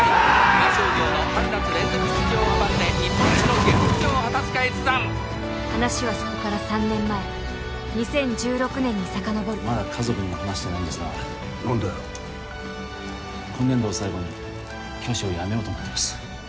伊賀商業の春夏連続出場を阻んで日本一の下剋上を果たすか越山話はそこから３年前２０１６年にさかのぼるまだ家族にも話してないんですが何だよ今年度を最後に教師を辞めようと思ってます